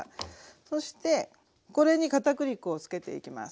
そしてこれに片栗粉をつけていきます。